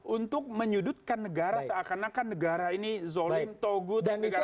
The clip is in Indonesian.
untuk menyudutkan negara seakan akan negara ini zolim togut negara